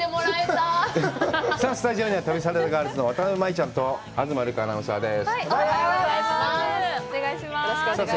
さあ、スタジオには、旅サラダガールズの渡辺舞ちゃんと東留伽アナウンサーです。